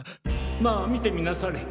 まあ見てみなされ！